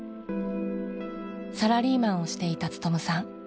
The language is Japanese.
サラリーマンをしていた勉さん。